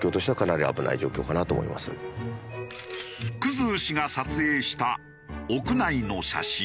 生氏が撮影した屋内の写真。